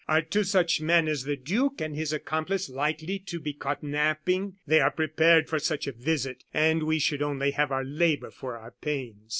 "Are two such men as the duke and his accomplice likely to be caught napping? They are prepared for such a visit, and we should only have our labor for our pains."